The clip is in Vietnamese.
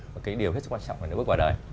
cái điều hết sức quan trọng của nước ngoài đời